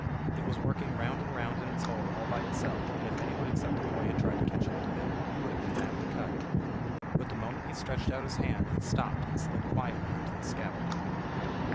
It was working round and round in its hole all by itself, and if anyone except the boy had tried to catch hold of it, he would have been badly cut. But the moment he stretched out his hand it stopped and slid quietly into the scabbard.